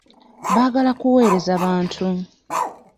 Baagala kuwereza bantu.